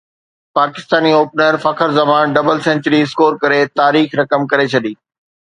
Pakistani opener Fakhar Zaman double century score ڪري تاريخ رقم ڪري ڇڏي